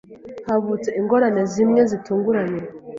Havutse ingorane zimwe zitunguranye.